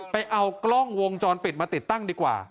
ไปเอากล้องวงจรปิดมาติดตั้งดีกว่า